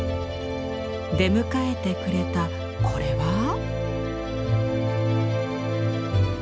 出迎えてくれたこれは？